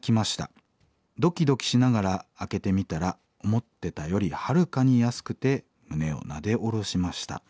ドキドキしながら開けてみたら思ってたよりはるかに安くて胸をなで下ろしました。